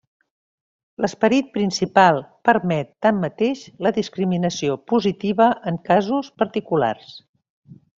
L'esperit principal permet, tanmateix, la discriminació positiva, en casos particulars.